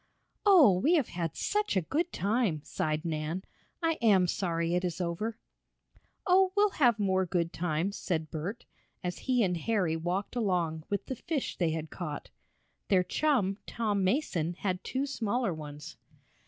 "Oh, we have had such a good time!" sighed Nan. "I am sorry it is over." "Oh, we'll have more good times," said Bert, as he and Harry walked along with the fish they had caught. Their chum, Tom Mason, had two smaller ones.